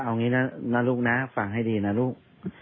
เอางี้นะลูกนะฟังให้ดีนะลูก